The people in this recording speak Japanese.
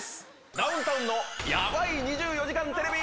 ダウンタウンのやばい２４時間テレビ。